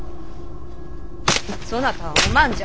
そなたはお万じゃ。